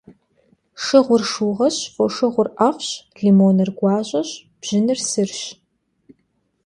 Şşığur şşıuğeş, foşşığur 'ef'ş, limonır guaş'eş, bjınır sırş.